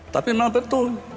tapi memang betul